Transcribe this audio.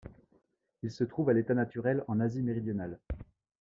Il se trouve à l'état naturel en Asie méridionale.